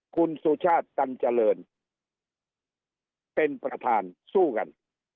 คุณสุชาติตันเจริญเป็นประธานสู้กัน